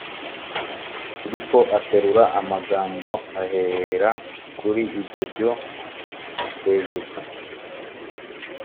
filipo aterura amagambo ahera kuri ibyo byo hejuru